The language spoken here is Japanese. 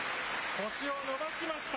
星を伸ばしました。